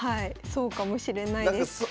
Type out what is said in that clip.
そうかもしれないです。